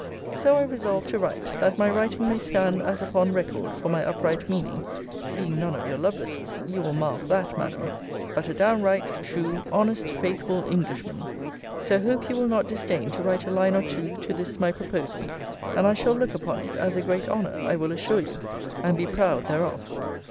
So I resolved to write: that my writing may stand as upon record for my upright meaning; being none of your Lovelaces; you will mark that, Madam; but a downright, true, honest, faithful Englishman. So hope you will not disdain to write a line or two to this my proposal: and I shall look upon it as a great honour, I will assure you, and be proud thereof.